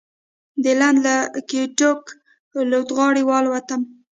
د لندن له ګېټوېک الوتغالي والوتم.